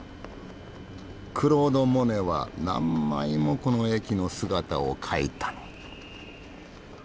クロード・モネは何枚もこの駅の姿を描いた。